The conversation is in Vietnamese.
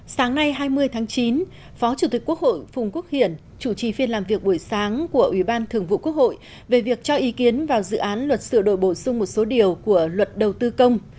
sáng nay hai mươi tháng chín phó chủ tịch quốc hội phùng quốc hiển chủ trì phiên làm việc buổi sáng của ủy ban thường vụ quốc hội về việc cho ý kiến vào dự án luật sửa đổi bổ sung một số điều của luật đầu tư công